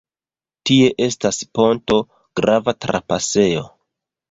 Tie estas ponto, grava trapasejo.